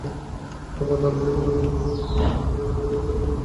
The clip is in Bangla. তবে তল্লাশির প্রথম দিন রেল পুলিশের বিরুদ্ধে আসন-বাণিজ্যের অভিযোগের সত্যতা মেলেনি।